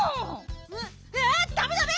ダメダメ！